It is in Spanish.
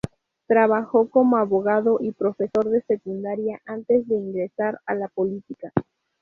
Trabajó como abogado y profesor de secundaria antes de ingresar a la política.